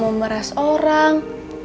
bapak memeras orang